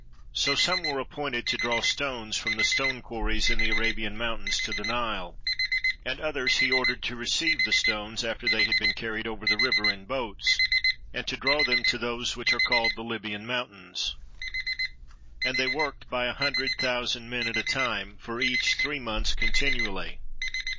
So some were appointed to draw stones from the stone quarries in the Arabian mountains to the Nile, and others he ordered to receive the stones after they had been carried over the river in boats, and to draw them to those which are called the Libyan mountains; and they worked by a hundred thousand men at a time, for each three months continually.